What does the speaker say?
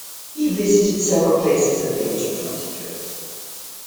He visited several places at the age of twenty-three.